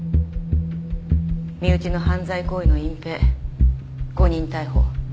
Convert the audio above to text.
身内の犯罪行為の隠蔽誤認逮捕。